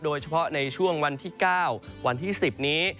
โดยเฉพาะในช่วงวันที่๙วันที่๑๐นี้